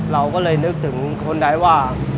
เราก็เลยนึกถึงคนใดว่า